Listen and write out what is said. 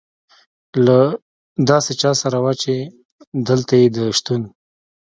له داسې چا سره وه، چې دلته یې د شتون.